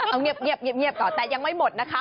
เอาเงียบก่อนแต่ยังไม่หมดนะคะ